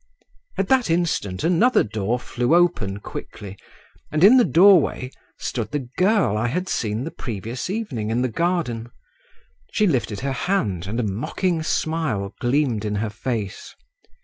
At that instant another door flew open quickly, and in the doorway stood the girl I had seen the previous evening in the garden. She lifted her hand, and a mocking smile gleamed in her face.